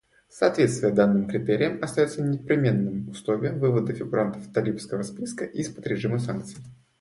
Соответствие данным критериям остается непременным условием вывода фигурантов талибского списка из-под режима санкций.